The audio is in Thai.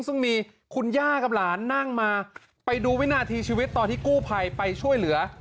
ซึ่งมีคุณย่ากับหลานนั่งมาไปดูวินาทีชีวิตตอนที่กู้ภัยไปช่วยเหลือ